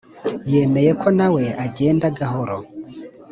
yemeye ko nawe agenda gahoro